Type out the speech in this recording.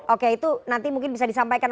oke itu nanti mungkin bisa disampaikan